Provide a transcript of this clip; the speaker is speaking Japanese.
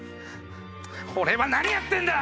俺は何やってんだ！